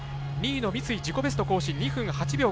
２位の三井自己ベスト更新、２分８秒５１。